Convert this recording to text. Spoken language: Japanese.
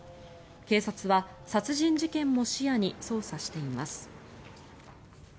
警察は殺人事件も視野に捜査しています。